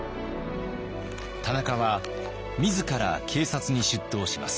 田中は自ら警察に出頭します。